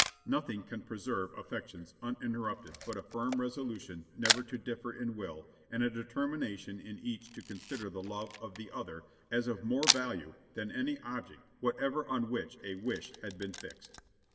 Nothing can preserve affections uninterrupted but a firm resolution never to differ in will, and a determination in each to consider the love of the other as of more value than any object whatever on which a wish had been fixed.